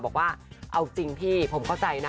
บอกว่าเอาจริงพี่ผมเข้าใจนะ